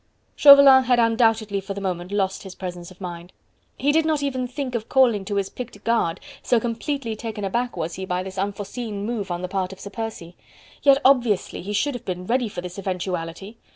Chauvelin had undoubtedly for the moment lost his presence of mind. He did not even think of calling to his picked guard, so completely taken aback was he by this unforeseen move on the part of Sir Percy. Yet, obviously, he should have been ready for this eventuality.